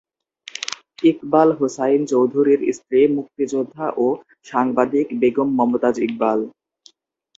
ইকবাল হোসাইন চৌধুরীর স্ত্রী মুক্তিযোদ্ধা ও সাংবাদিক বেগম মমতাজ ইকবাল।